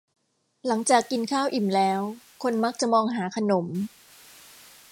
หลังจากกินข้าวอิ่มแล้ว คนมักจะมองหาขนม